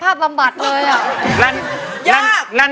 ขอบคุณมากครับ